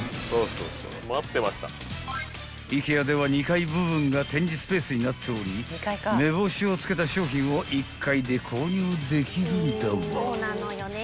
［ＩＫＥＡでは２階部分が展示スペースになっており目星を付けた商品を１階で購入できるんだわ］